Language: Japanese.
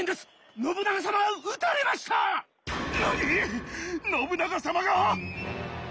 信長様が？